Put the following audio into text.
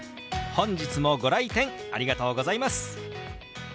本日もご来店ありがとうございます。